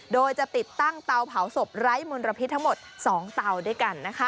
โดยจะติดตั้งเตาเผาศพไร้มลพิษทั้งหมด๒เตาด้วยกันนะคะ